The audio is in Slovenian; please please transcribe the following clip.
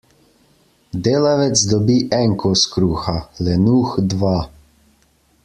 Delavec dobi en kos kruha, lenuh dva.